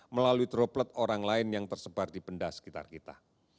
melalui droplet orang lain yang tersebar di benda sekitar kita